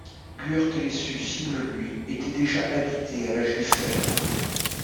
Giurtelecu Șimleului était déjà habitée à l'âge du fer.